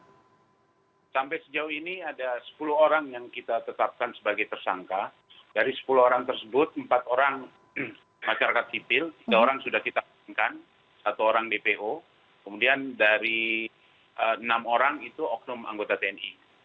sampai sejauh ini ada sepuluh orang yang kita tetapkan sebagai tersangka dari sepuluh orang tersebut empat orang masyarakat sipil tiga orang sudah kita satu orang dpo kemudian dari enam orang itu oknum anggota tni